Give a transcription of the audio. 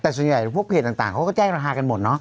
แต่ส่วนใหญ่พวกเพจต่างเขาก็แจ้งราคากันหมดเนาะ